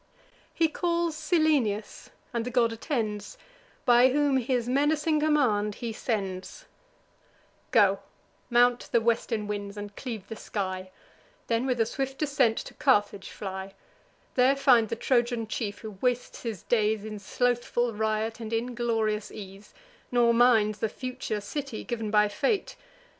He calls Cyllenius, and the god attends, By whom his menacing command he sends: "Go, mount the western winds, and cleave the sky; Then, with a swift descent, to Carthage fly: There find the Trojan chief, who wastes his days In slothful riot and inglorious ease, Nor minds the future city, giv'n by fate.